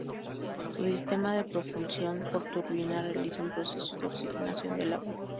Su sistema de propulsión por turbina realiza un proceso de oxigenación del agua.